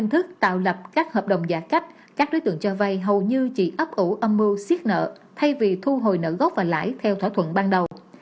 thức tạo lập các hợp đồng giả cách các đối tượng cho vay hầu như chỉ ấp ủ âm mưu xiết nợ thay vì thu hồi nợ gốc và lãi theo thỏa thuận ban đầu